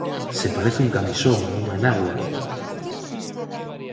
Se parece un camisón, unha enagua...